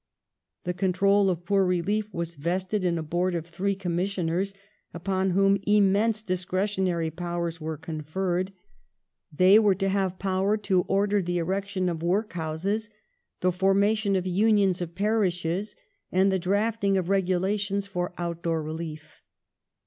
The control of poor relief was vested in a Board of three Commissioners, upon whom immense discretionary powers were conferred : they were to have power to order the erection of workhouses ; the formation of unions of parishes, and the drafting of regulations for outdoor relief.